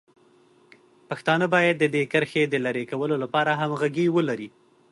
پښتانه باید د دې کرښې د لرې کولو لپاره همغږي ولري.